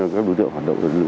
các đối tượng hoạt động